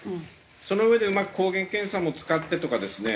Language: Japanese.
そのうえでうまく抗原検査も使ってとかですね